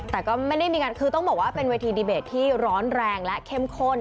แต่ก็ไม่ได้มีการคือต้องบอกว่าเป็นเวทีดีเบตที่ร้อนแรงและเข้มข้น